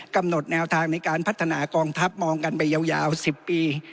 กำหนดแนวทางในการพัฒนากองทัพมองกันไปยาว๑๐ปี